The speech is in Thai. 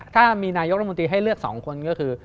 ถ้ามีนายกรัฐมนตรีให้เลือก๒คนก็คือ